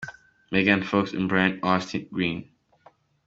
Megan Fox & Brian Austin Green.